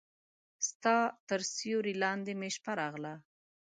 ستا تر سیوري لاندې مې شپه راغله